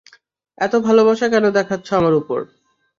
এত ভালোবাসা কেন দেখাচ্ছো আমার উপর?